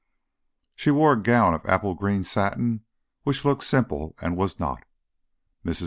She wore a gown of apple green satin which looked simple and was not. Mrs.